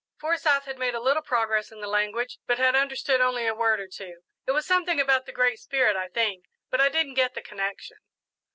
Forsyth had made a little progress in the language, but had understood only a word or two. "It was something about the 'Great Spirit,' I think, but I didn't get the connection."